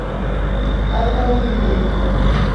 أغدر من ذئب